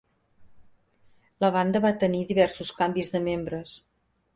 La banda va tenir diversos canvis de membres.